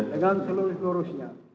dengan seluruh seluruhnya